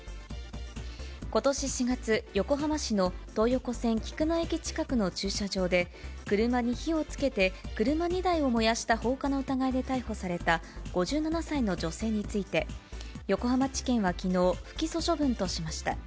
ことし４月、横浜市の東横線菊名駅近くの駐車場で、車に火をつけて車２台を燃やした放火の疑いで逮捕された５７歳の女性について、横浜地検はきのう、不起訴処分としました。